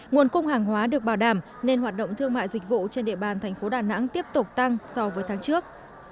nguồn cung hàng hóa được bảo đảm nên hoạt động thương mại dịch vụ trên địa bàn thành phố đà nẵng tiếp tục tăng so với tháng trước